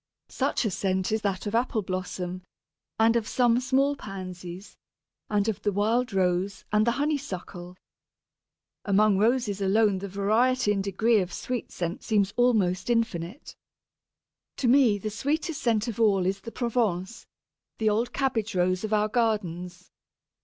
Such a scent is that of Apple blossom, and of some small Pansies, and of the wild Rose and the Honeysuckle. Among Roses alone the variety and degree of sweet scent seems almost infinite. To me the sweetest of all is the Provence, the old Cabbage Rose of our gardens.